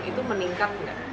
itu meningkat nggak